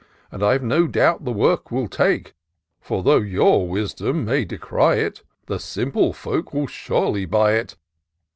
And I've no doubt the work will take : For though your wisdom may decry it. The simple folk will surely buy it.